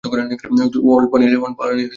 অল্প আনিলে চুরি হয় না?